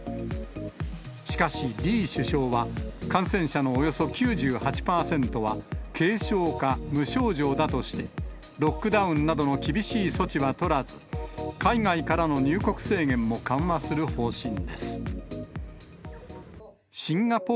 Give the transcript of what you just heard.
しかし、リー首相は感染者のおよそ９８％は軽症か無症状だとして、ロックダウンなどの厳しい措置は取らず、海外からの入国制限も緩和する方針です。